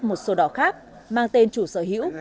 một sổ đỏ khác mang tên chủ sở hữu